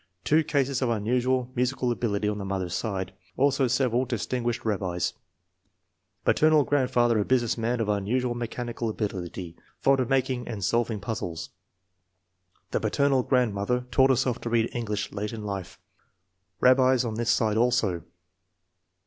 Two cases of unusual mu sical ability on the mother's side, also several distin guished rabbis* Paternal grandfather a business man of unusual mechanical ability, fond of making and solving puzzles. The paternal grandmother taught herself to read English late in life. Rabbis on this side also.